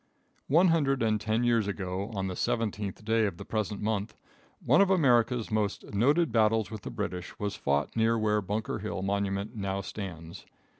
One hundred and ten years ago, on the 17th day of the present month, one of America's most noted battles with the British was fought near where Bunker Hill monument now stands.